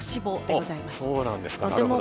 そうなんですか。